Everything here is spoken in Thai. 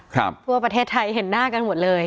ทั่วประเทศไทยเห็นหน้ากันหมดเลย